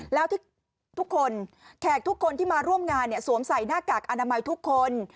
แล้วทุกคนแขกทุกคนที่มาร่วมงานสวมใส่หน้ากากอนามัยทุกคน